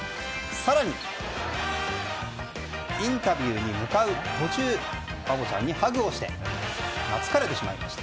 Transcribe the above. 更に、インタビューに向かう途中バボちゃんにハグをして懐かれてしまいました。